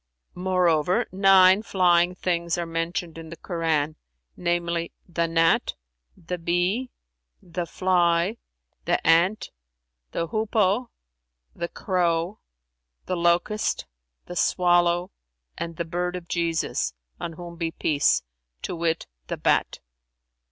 Moreover, nine flying things are mentioned in the Koran, namely, the gnat, the bee, the fly, the ant, the hoopoe, the crow, the locust, the swallow and the bird of Jesus[FN#351] (on whom be peace!), to wit, the bat."